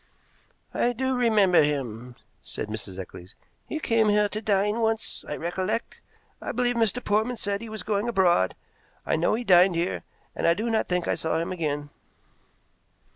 "I do remember him," said Mrs. Eccles. "He came here to dine once, I recollect. I believe Mr. Portman said he was going abroad. I know he dined here, and I do not think I saw him again."